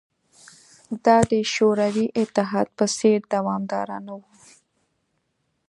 دا د شوروي اتحاد په څېر دوامداره نه وه